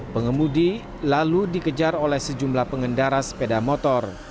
pengemudi lalu dikejar oleh sejumlah pengendara sepeda motor